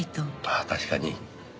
ああ確かに。